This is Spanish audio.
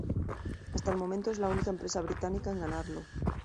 Hasta el momento es la única empresa británica en ganarlo.